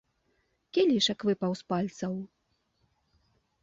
Кілішак выпаў з пальцаў.